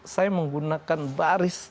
saya menggunakan baris